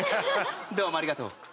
どうもありがとう。